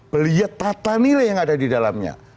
melihat tata nilai yang ada di dalamnya